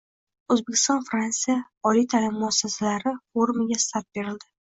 “O‘zbekiston – Fransiya oliy ta’lim muassasalari forumi”ga start berildi